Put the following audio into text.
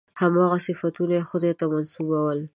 هماغه صفتونه یې خدای ته منسوبول.